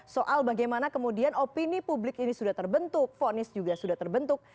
soal bagaimana kemudian opini publik ini sudah terbentuk fonis juga sudah terbentuk